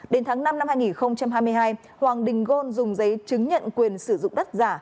đến tháng năm năm hai nghìn hai mươi hai hoàng đình gôn dùng giấy chứng nhận quyền sử dụng đất giả